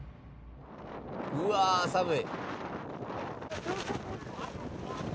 「うわあ寒い！」